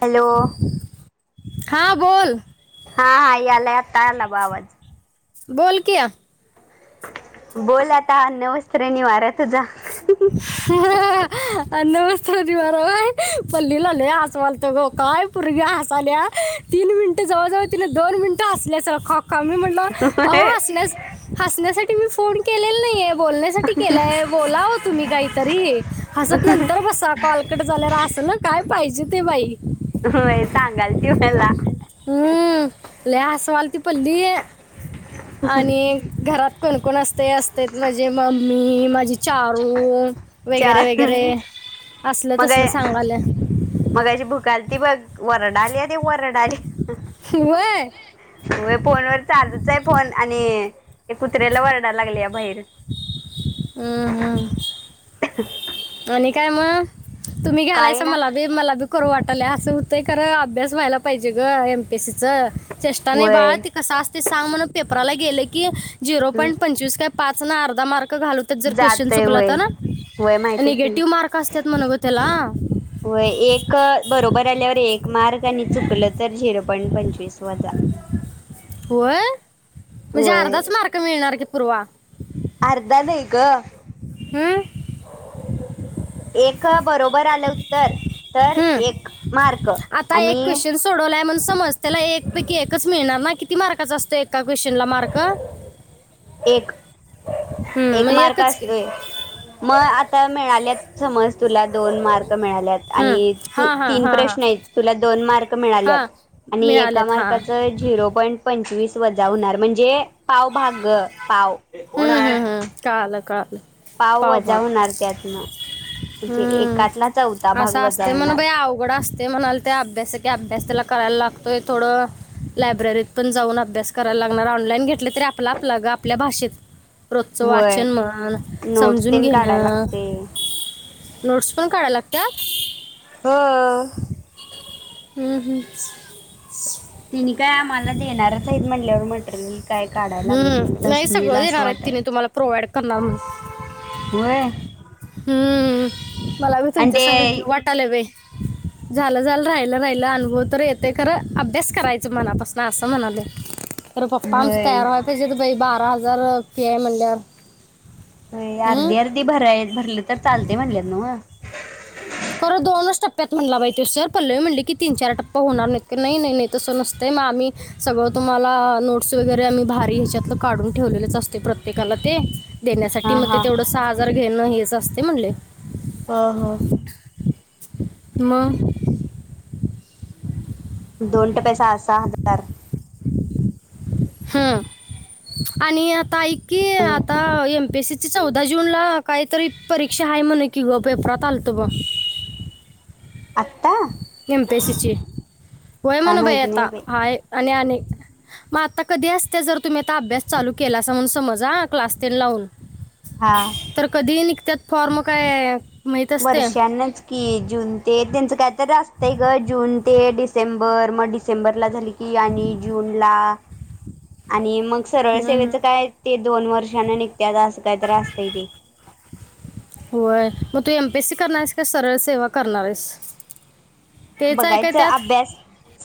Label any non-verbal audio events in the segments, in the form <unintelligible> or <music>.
Hello हा बोल. हा हा याला आता आला ब आवाज. बोल कि् य. बोल आता अन्न वस्त्र निवारा. तुझा अन्न वस्त्र निवारा होय. पल्ली ला लइ हस आलत ग काय पोरग्या हसाल्या तीन मिनिट जवळजवळ तिला दोन मिनि ट हसल्यासारखं अक्का मी म्हटलं अहो हण्यासा हसण्यासाठी मी फोन केलेलं नाहीेये बोलण्यासाठी केलाय. बोला हो तुम्ही काहीतरी हसत नंतर बसा कॉल कट झाल्यावर असल काय पाहिजे ते बाई. होय सांगाल ती मला. हम्म लई हसवाल ती पल्ली आणि घरात कोणकण असतय असते माझी मम्मी माझी चारू वगैरे चार वगैरे असल मग तसल सांगाल्या ती बघ वरडाली आहे ती वरड आली वय फोन वर चालू य फोन आणि एक कुत्र्याला वरडा लागले या बाहेर हम्म हम्म आणि काय मग तुम्ही घेालायच काय ना मला बी मला बी खर वाटालाय असं होतंय खरं अभ्यास व्हायला पाहिजे ग एमपीएससी चं चेष्टा नाही वय बाळा त कसा असते सांग म्हण पेपराला गेले की झिरो हं, पॉईंट पंचवीस काय पाच ना अर्धा मार्क घालूत जर क्वेश्चन जातोय चुकला वय तर ना वय माहिती आहे की टीव्ह मार्क असतात म्ह ग त्याला वय एक बरोबर आल्यावर एक मार्ग आणि चुकलं तर झिरो पॉईंट पंचवीस वजा होय म्हणजे वय अर्धाच मार्क मिळणार की पूर्वा अर्धा नाही ग हम एक बरोबर आलं उत्तर तर हम एक मार्क आता एक आणि क्वेशन सोडवला म्हण समज त्याला एक पैकी एकच मिळणार ना किती मार्काचा असतो एका क्वेश्चनला मार्क एक हम्म, एक मग मार्क एकच की असतोय मग आ तर मिळाल्यात समज तुला दोन मार्क मिळाल्यात हम्म. आणि हा हा तीन हा हा प्रश्न आहेत तुला दोन मार्क मिळाल्यात हा आणि एका मिळालेत हा मार्काचं झिरो पॉईंट पंचवीस वजा होणार म्हणजे पावभाग हम ह कळालं कळालं पाव व जा पावभाग होणार त्यातन म्हणजे हम्म. एका तला चौथा भाग असं असते म्हण वजवणार बाई अवघड असते म्हणाल ते अभ्यास की अभ्यास त्याला करायला लागतोय थोडं लायब्ररीत पण जाऊन अभ्यास करायला लागणार ऑनलाईन घेतलं तरी आपला आप आपल्या भाषेत रोजचं होय वाचन म्हण नोट्स समजून तेन काढायला घेणं लागते नोट्स पण काढायला लागतात हा हम्म हम्म तिने काय आम्हाला देणारच आहेत म्हणल्यावर म्हट मी काय काढायला लागत हम् नाही सगळं तसनीला असं देनार आहेत घर आहे वाटाय तिने तुम्हाला प्रोवइड कणार मस होय हम्म मला मी आणि तुमच्या सांग ते घेऊ वाटालय बाई झालं झालं राहिलं राहिलं अनुभव तर येते खरं अभ्यास करायचं मनापासून असं म्हणाले. तर पप्पा आमच होय तयार व्हाय पाहिजे तर बा बारा हजार फी आहे म्हणल्यावर. अर्धी हम्म अर्धी भराय भरले तर चालते म्हणलेत नव्ह खरं दोनच टप्प्यात म्हटला बाई त्यो सर पल्लवी म्हटले की तीन चार टप्प होणार नाही नाही नाही नाही तसं नसत. ग आम्ही सगळं तुम्हाला नोट्स वगैरे आम्ही भारी ह्याच्यात काढून ठेवलेलेच असते प्रत्येकाला ते देण्यासाठी हा मग ते हा तेवढं सहा आजार घेणं हेच असते म्हणले हा हा मग दोन टप्पे सहा सहा हजार हम आणि आता ऐ की आणि आता एम बीसी चौदा जूनला काहीतरी परीक्षा आहे म्हणे की ग पेपरात आलतो बघ ट्ट आता एमपीएसीची होय काय म्हण बाई माहित नाही आता हाय आणि मग आता कधी असते जर तुम्ही आता अभ्यास चालू केला म्हणून समजा क्लास टेन लावून हा तर कधी निघतात फॉर्म काय आहे. वर्षांनाच की जून ते त्यांचं कायतरी असतंय गं जून. ते डिसेंबर, मग डिसेंबरला झाले की आणि जूनला आणि मग, सरळं सेवेचं काय ते दोन वर्षानं निघत- त्यात अस कायं आसतंय ते. बेसीक करणार आहेस की सरळ सेवा करणार आहेस. तेच आहे का बघायचं त्यात अभ्यास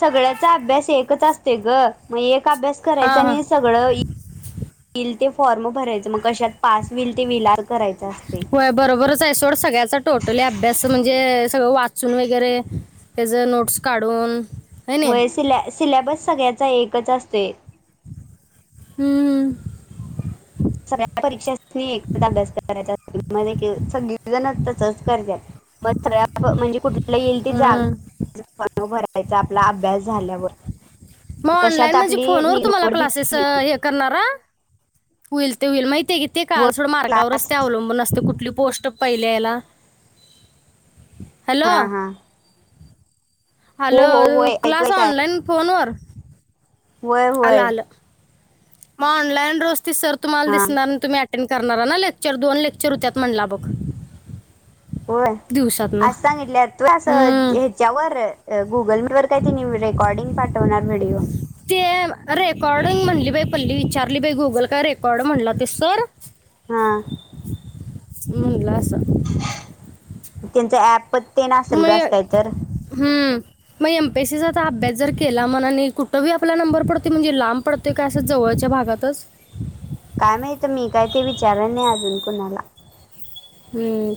सगळ्याचा अभ्यास एकचं असते गं मगं एक., अभ्यास हां करायचा हां आणि सगळं येईल ते. फॉर्म भरायचं मगं कशात पास होईल ते विला. होय बरोबरच आहे सोड सगळ्याचा टोटली अभ्यास म्हणजे सगळं वाचून वगैरे. त्याचे नोट्स काढूनं, होय सि सिलेबस सगळ्याचा एकच असतोयं. हम. सगळ्या परीक्षांसनी एकचअभ्यास करायचा सगळीजणं तसचं करतातं. <inaudible> म्हणजे कुठं. आपला येईल ती जागा भरायचा आपला अभ्यास झाल्यावर.. मग कशात ऑनलाईन म्हणजे आपली फोनवर तुम्हाला क्लासेस निवड करणारा, होईल- ते होईल माहिती आहे की ते व कळाल सोड मार्कावरचं क्लास ते अवलंबून असते कुठली पोस्ट ते- पहिल्या हिला. हा हा. हो हॅलो हो होय क्लास ऐकूय ऑनलाईन फोन वर. होयं होयं. मग ऑनलाईन रोज ते सर तुम्हाला हा दिसणार, तुम्ही - अटेंड करणारा ना लेक्चर दोन लेक्चर होत्यात म्हणाला बघ होय दिवसात. आज सांगितले तू असं ह्याच्यावर गुगल मीटवर काय ते रेकॉर्डिंग पाठवणारं. व्हिडिओ. ते रेकॉर्डिंग म्हणली बाई पल्ली विचारली बाइ गुगल काय रेकॉर्ड म्हणला तो सर. हा. म्हणलं असं. त्यांचं ऐपत पण ते असेल मग गं अस काही तर. हम्म. मग एम पीए सी चा अभ्यास जर केला म्हणा आणि कुठे आपला नंबर पडतो म्हणजे लांब पडतो का असं जवळं. वरच्या भागातचं. काय माहित मी काय ते विचार नाही अजून कुणाला. ह.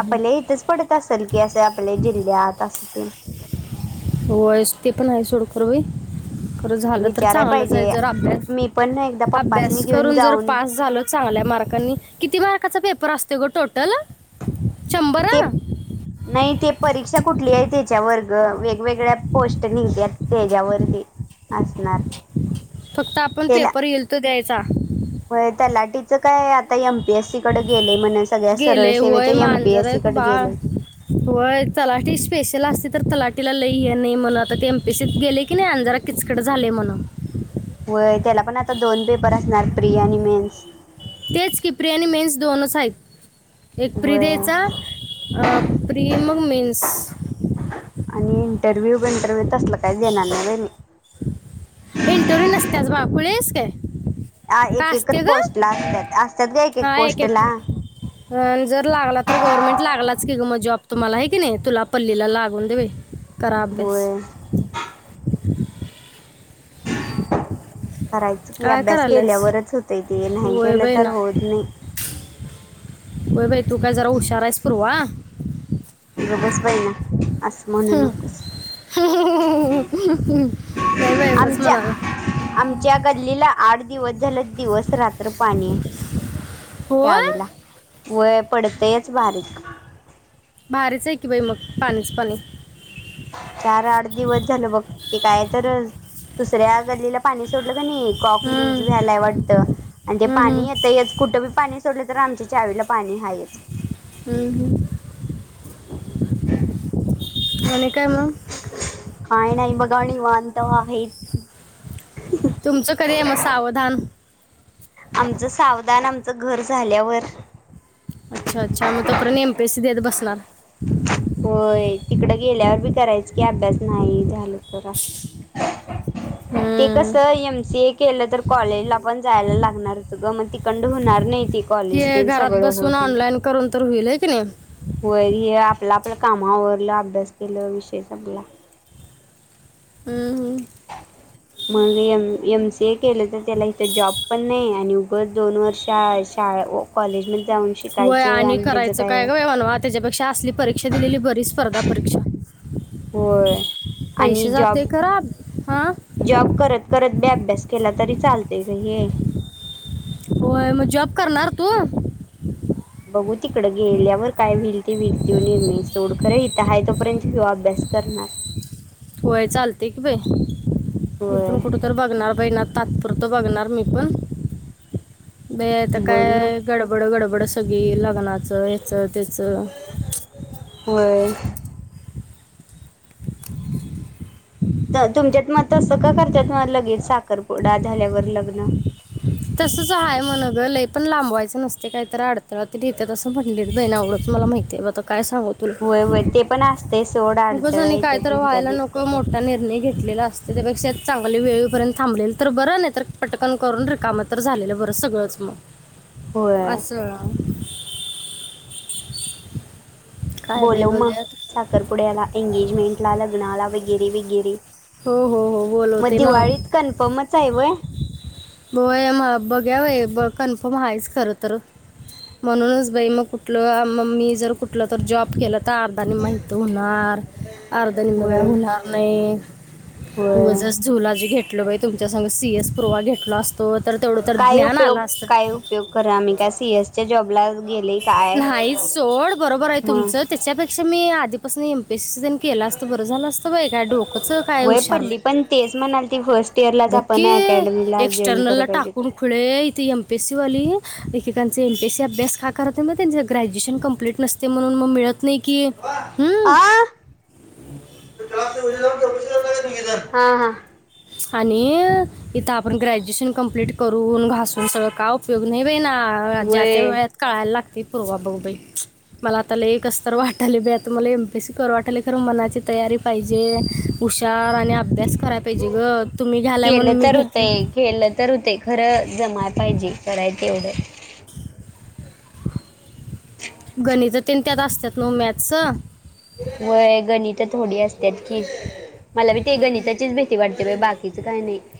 आपल्या इथेच पडत असेल की असे आपले जिल्ह्यात अस तेन. होयच ते पणं. खरं होईल, खरं झालं तर विचाराय चांगलंच आहे. पाहिजे जर अभ्यास. मी पण एकदा पप्पासनी अभ्यास घेऊन करून जर जाऊन पास झाल चांगल्या मार्कांनी, किती मार्काचा पेपर पेपर आसतोय गं टोटल. शंभर ते हा? नाही ते. परीक्षा कुठली आहे त्याच्या वर्ग वेगवेगळ्या पोस्ट निघतात त्याच्यावरती असणारं. फक्त आपण पेपर येईल तो द्यायचा. होय तलाठीचं कायं आता एम पी एस सी कडे गेले म्हण सगळ्या सरळ गेले सेवेचे एम पी एस सी कडे गेले. होयं, तालाठी स्पेशल त्याला असते तर तलाठीला लय हे नाही म्हणं आता ते एम पी एस सी त गेले की नाही आणि जरा किचकट झाले म्हणं. होय, त्याला पण आता दोन पेपर असणार प्री आणि मेन्स. तेच कि प्री आणि मेन्स दोनच आहेत. एक प्री होय द्यायचा अ प्री मगं मेन्स. आणि इंटरव्ह्यू बिंटरव्ह्यू तसंल काही देणार नाही मी. इंटरव्ह्यू नसतच बा, खुळी आहेस काय? अ का एक एकच असते ग पोस्ट ला असतात असतात का एक एक पोस्ट ला. जर लागला तर गव्हर्नमेंट लागलाच की ग मग जॉब तुम्हाला आहे की नाही तुला पल्लीला लागून जाईल करा अभ्यास. होय <inaudible> करायचं की काय अभ्यास करायलास केल्यावरच होतय ते नाही केलं तर होत नाही. हो बाई तू काय जरा हुशार आहेस पुरवा. र बेस ब ना. असं म्हणू नकोस नाही बाई <unintelligible> उगाच आमच्या म्हणाले आमच्या गल्लीला आठ दिवस झालं दिवस राहत. तर्र पाणी <unintelligible> हो त्या्यावेला वय पडतेच बारीक. भारीच आहे की बाई मग पाणीच पाणी चार आठ दिवस झाल बघ ते काय तर दुसऱ्या गल्ली पाणी सोड का कॉक लूज हं. व्यायला वाटत आणि ते हं, हं. पाणी येत कुठ पाणी सोडले तर आमच्या चावीला पाणी हायच. हम् हम् म्हण <inaudible> काय म हा नाई बघा निंवातआहे. तुमचं कधी आहे मग सावधान. आमचं सावधान आमचं घर झाल्यावर सभेत बसणारा. होय तिकड गेल्यावर बी करायचं की अभ्यास नाही झाल तर अस ते हं. कस एम सी ए केलं तर कॉलेजला पण जायला लागणार होत ग मग तिकंड होणार नाही कॉलेज हे घरात सगळ हो बसून ऑनलाईन करून तर होईल है की नाही वैर हे आपला आपलं कामावररलं अभ्यास केलं विषय संपला हम हम मग एम एम सी ए केलं तर त्याला इथ जॉब पण नाही आणि दोन वर्ष शाळा व कॉलेजमध्ये जाऊन वय शिकायचं आणि त्याचं करायचं काय का ववान वा त्याच्यापेक्षा असली परीक्षा दिलेली बरी स्पर्धा परीक्षा होय आणि पैसे जॉब जाते खराब हा जॉब करत करत ब अभ्यास केला तरी चालत का हे होय मग जॉब करणार <inaudible> बघू तिकडे गेल्यावर काय व्हईल ते वईल तो निर्णस खरे इथं आहे तोपर्यंत किवा अभ्यास करणार होय चालते की बाई होय मीथण कुठ तर बघणार बहि ना तात्पुर तो बघणार मी पण ब बघ काय ना गडबड गडबड सगळी कोणाचं याचं त्याचं होय तर तुमच्यात मग तसं का करतत म लगेच साखरपुडा झाल्यावर लग्न तसच आहेय म्हण ग लय पण लांबवायचं नसते काही तर अडथळा्या तेते तसं म्हणले जाई ना आवडंच मला माहिती आहे ब काय सांग होय होय ते पण असते सोड अडथळा तुलागनी येते कायत तुमच्यात व्हायला बी नको मोठा निर्णय घेतला असते त्यापेक्षा चांगले वेळेपर्यंत थांबले तर बरं नाही तर पटकन करून रिकामत तर झालेलं बरं सगळंच होय मग असं काय बे बोलो म बघ्यात साखरपुड्याला एंगेजमेंट ला लग्नाला वगैरे वगैरे हो हो हो मग दिवाळीत कन्फर्मच आहे व ब म बघ्या व ब कन्फर्म आहेायच खरं तर म्हणूनच बाई मग कुठलं म मी जर कुठलं तर जॉब केला ता अर्धा नि माहित होणार अर्धा निम काय होय होणार नाही हो होय जस झुलाजी घेतल बा तुमच्या स सीएस प्रवा घेतल असतो. तर तेवढं तर काय ज्ञान उपयोग आलं असतं काय उपयोग करा आम्ही का सीएसच्या जॉबला. गेले काय नाही सोड बरोबर आहे मग तुमचं त्याच्यापेक्षा मी आधीपासून एमपे. केला असत बर झालं असत बा काय डोकच काय वय हुशार पडली नाही. पण तेच म्हणाल ती फर्स्ट इयरलाच आपण बघकीि अकॅडमीला जॉईन एक्स्टर्नल ला कराय पाहिजे टाकून होती खुळे इथे एमपीएससी वाली एककांचे एमपीएसी अभ्यास का करतते मग त्यां ग्रॅज्युएशन कंप्लीट नसते म्हणून मग मिळत न कि हम्. आ हा हा. आणि इथं आपण ग्रॅज्युएशन कंप्लीट करून घासून सगळं का उपयोग नाही बाईं ना. हा ज्यात त्या व्हय वेळ काळायला ला ते पर्वा बघ बाई मला आता लाय कसं तर वाटालेय बी, आता मला एमपीसी कर वाटली खरं मनाची तर तयारी पाहिजे हुशार आणि अभ्यास करा पाहिजे ग तुम्ही घालाय म्हण केलं मी तर घेतलं. होतंय केलं तर होतंय खरं जमाय पाहिजे करायच तेवढं. गणित तन त्यात असतात न मॅथच. वय गणित थोडी असतात की, मला बी ते गणिताचीच भीती वाटते बाकी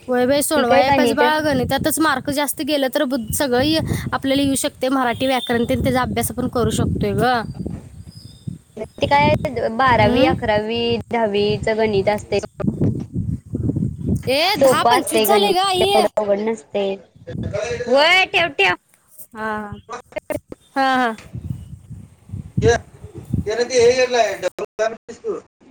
होय बाई सोडवा या पाज बाग नाही त्यातच मार्क जास्त गेलं तर बु सगळं. आपल्याला येऊ शकते मराठी व्याकरण त्याचा अभ्यास आपण करू शकतोय ग. ते काय बारावी, हम्म अकरावी, दहावीच गणित असते. ए दहा सोपा पंचवीस असते झाले गणित ग आई तेवढ अवघड नसतंय वय ठेव ठेव. हा हा हा. त्यान ते हेलाय डसू <unintelligible>